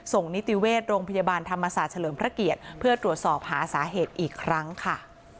นิติเวชโรงพยาบาลธรรมศาสตร์เฉลิมพระเกียรติเพื่อตรวจสอบหาสาเหตุอีกครั้งค่ะ